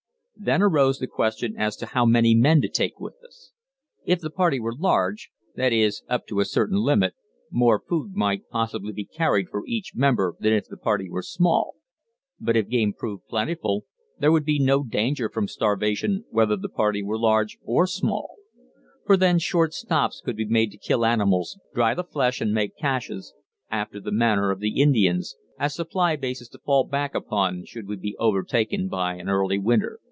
Then arose the question as to how many men to take with us. If the party were large that is, up to a certain limit more food might possibly be carried for each member than if the party were small; but if game proved plentiful, there would be no danger from starvation whether the party were large or small; for then short stops could be made to kill animals, dry the flesh and make caches, after the manner of the Indians, as supply bases to fall back upon should we be overtaken by an early winter.